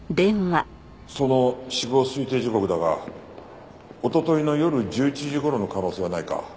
その死亡推定時刻だがおとといの夜１１時頃の可能性はないか？